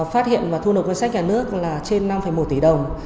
phát hiện và thu nộp ngân sách nhà nước là trên năm một tỷ đồng